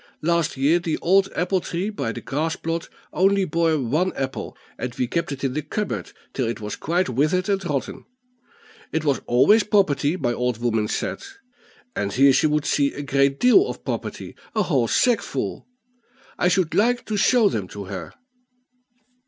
Last year the old apple tree by the grass plot only bore one apple, and we kept it in the cupboard till it was quite withered and rotten. It was always property, my old woman said; and here she would see a great deal of property a whole sackful; I should like to show them to her."